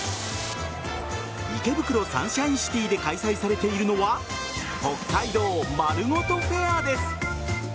池袋サンシャインシティで開催されているのは北海道まるごとフェアです。